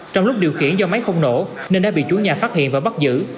trong lúc điều khiển do máy không nổ nên đã bị chủ nhà phát hiện và bắt giữ